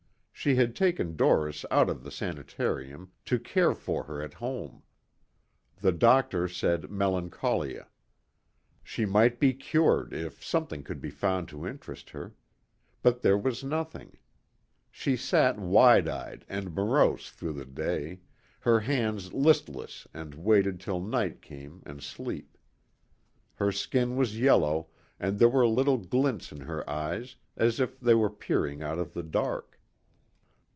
She had taken Doris out of the sanitarium to care for her at home. The doctor said melancholia. She might be cured if something could be found to interest her. But there was nothing. She sat wide eyed and morose through the day, her hands listless and waited till night came and sleep. Her skin was yellow and there were little glints in her eyes as if they were peering out of the dark.